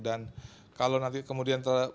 dan kalau nanti kemudian termusuk